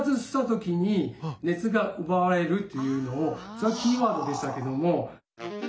それキーワードでしたけども。